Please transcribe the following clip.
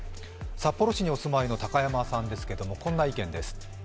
札幌市にお住まいの高山さんですがこんな意見です。